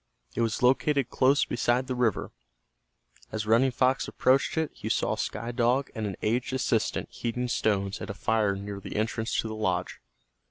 It was located close beside the river. As Running Fox approached it he saw Sky Dog and an aged assistant heating stones at a fire near the entrance to the lodge.